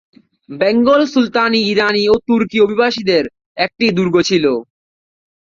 বেঙ্গল সুলতানি ইরানী ও তুর্কি অভিবাসীদের একটি দুর্গ ছিল।